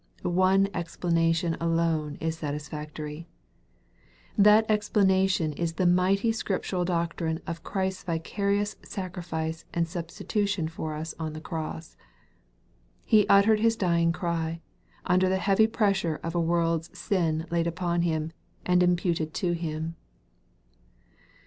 One explanation alone is satisfactory. That explanation is the mighty scriptural doctrine of Christ's vicarious sacri fice and substitution for us on the cross. He uttered His dying cry, under the heavy pressure of a world's Bin laid upon Him, and imputed to Him.